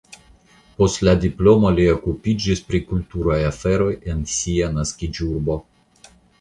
Post la diplomo li okupiĝis pri kulturaj aferoj en sia naskiĝurbo.